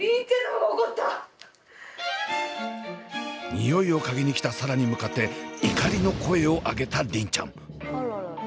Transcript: においを嗅ぎに来た紗蘭に向かって怒りの声を上げた梨鈴ちゃん。